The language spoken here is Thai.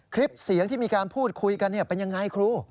คลิปเสียงที่มีการพูดคุยกันเป็นยังไงครู